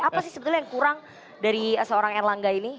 apa sih yang sebenarnya kurang dari seorang erlangga ini